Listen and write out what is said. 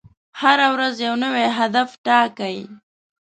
هره ورځ یو نوی هدف ټاکئ.